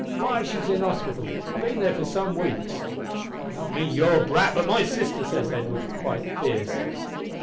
`Why, she's in hospital. Bin there for some weeks.' "`I don't mean your brat, but my sister,' says Edwin, quite fierce.